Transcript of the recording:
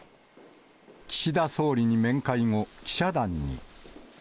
岸田総理に面会後、記者団に。